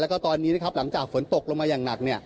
แล้วก็ตอนนี้นะครับหลังจากฝนตกลงมาอย่างหนัก